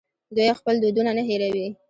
دوی خپل دودونه نه هیروي.